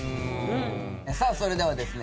さあそれではですね